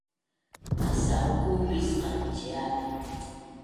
asauku pisqanciap